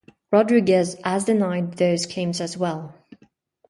Rodriguez has denied those claims as well.